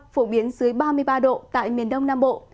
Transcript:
phổ biến dưới ba mươi ba độ tại miền đông nam bộ